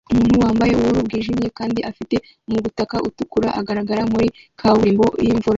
Umuntu wambaye ubururu bwijimye kandi afite umutaka utukura ugaragara muri kaburimbo yimvura